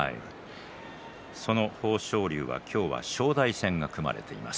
その豊昇龍は今日は正代戦が組まれています。